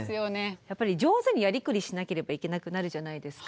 やっぱり上手にやりくりしなければいけなくなるじゃないですか。